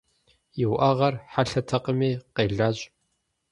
И уӏэгъэр хьэлъэтэкъыми къелащ.